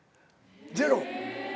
ゼロ。